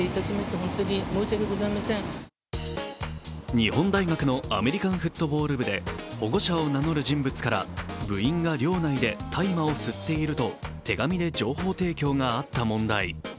日本大学のアメリカンフットボール部で保護者を名乗る人物から部員が寮内で大麻を吸っていると手紙で情報提供があった問題。